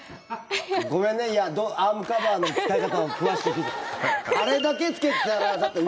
ごめんねアームカバーの使い方を詳しく聞いちゃって。